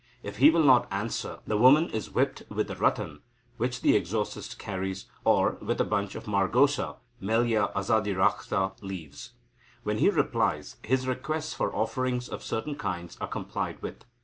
If he will not answer, the woman is whipped with the rattan which the exorcist carries, or with a bunch of margosa (Melia Azadirachta) twigs. When he replies, his requests for offerings of certain kinds are complied with.